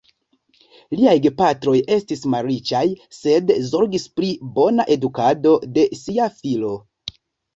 Liaj gepatroj estis malriĉaj, sed zorgis pri bona edukado de sia filo.